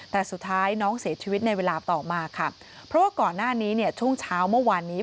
แต่สุดท้ายน้องเสียชีวิตในเวลาต่อมาค่ะเพราะว่าก่อนหน้านี้เนี่ยช่วงเช้าเมื่อวานนี้